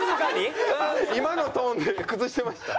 今のトーンで崩してました？